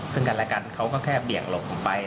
ซึ่งกันและกันเขาก็แค่เบี่ยงหลบผมไป